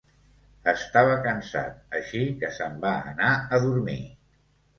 Estava cansat, així que s'en va anar a dormir.